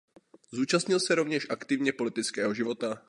Zúčastnil se rovněž aktivně politického života.